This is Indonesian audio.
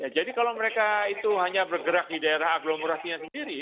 jadi kalau mereka itu hanya bergerak di daerah agglomerasinya sendiri